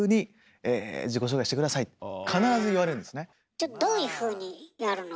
ちょっとどういうふうにやるの？